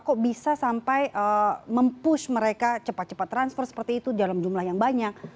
kok bisa sampai mempush mereka cepat cepat transfer seperti itu dalam jumlah yang banyak